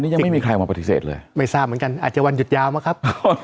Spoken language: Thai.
ยังไม่มีใครออกมาปฏิเสธเลยไม่ทราบเหมือนกันอาจจะวันหยุดยาวมั้งครับ